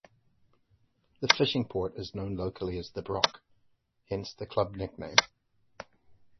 The fishing port is known locally as 'The Broch' hence the club nickname.